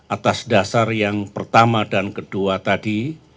atas dasar yang pertama dan kedua tadi